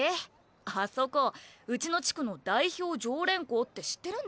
あそこうちの地区の代表常連校って知ってるんでしょ？